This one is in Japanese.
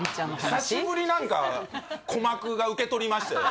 久しぶり何か鼓膜が受け取りましたよ